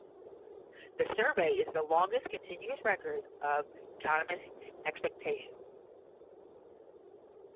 The survey is the longest continuous record of economists expectations.